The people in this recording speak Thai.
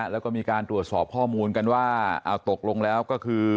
แล้วก็มีการตรวจสอบข้อมูลกันว่าเอาตกลงแล้วก็คือ